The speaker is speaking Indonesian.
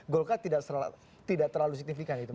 golkar tidak terlalu signifikan itu pak erlangga